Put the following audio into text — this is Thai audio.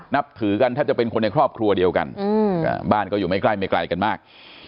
นับถือกันแทบจะเป็นคนในครอบครัวเดียวกันบ้านก็อยู่ไม่ใกล้ไม่ไกลกันมาก